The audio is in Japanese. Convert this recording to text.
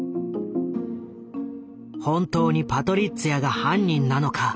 本当にパトリッツィアが犯人なのか。